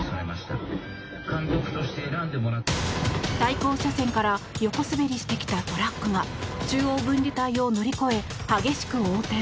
対向車線から横滑りしてきたトラックが中央分離帯を乗り越え激しく横転。